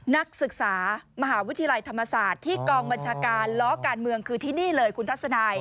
นักศึกษามหาวิทยาลัยธรรมศาสตร์ที่กองบัญชาการล้อการเมืองคือที่นี่เลยคุณทัศนัย